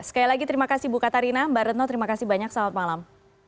sekali lagi terima kasih bu katarina mbak retno terima kasih banyak selamat malam